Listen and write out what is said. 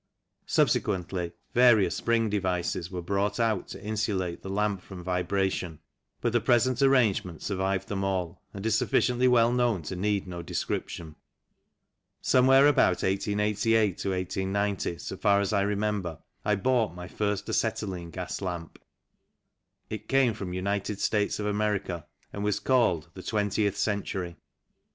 Subsequently, various spring devices were brought out to insulate the lamp from vibration ; but the present arrangement survived them all, and is sufficiently well known to need no description. Somewhere about 1888 to 1890, so far as I remember, I bought my first acetylene gas lamp. It came from United States of America, and was called " The 20th Century."